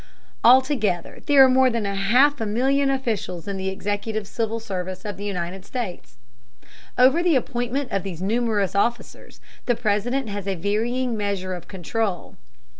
Altogether there are more than half a million officials in the executive civil service of the United States. Over the appointment of these numerous officers the President has a varying measure of control.